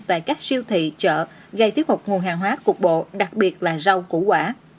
tại các siêu thị chợ gây tiếp hụt nguồn hàng hóa cục bộ đặc biệt là rau củ quả